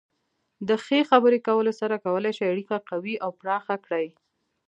د ښې خبرې کولو سره کولی شئ اړیکه قوي او پراخه کړئ.